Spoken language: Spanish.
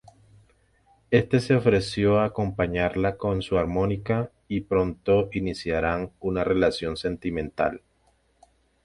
Éste se ofreció a acompañarla con su armónica y pronto iniciarían una relación sentimental.